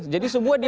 jadi semua dagang